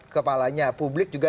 kepalanya publik juga